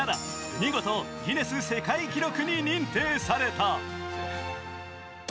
見事ギネス世界記録に認定された。